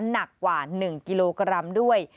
หนักกว่า๑กิโลกรัมด้วย